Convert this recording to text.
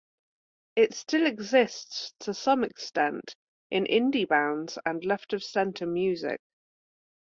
It still exists to some extent in indie bands and left-of-centre music.